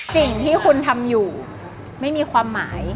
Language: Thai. สิ่งที่คุณทำอยู่ไม่มีความหมาย